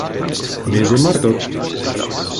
Мезе мартот?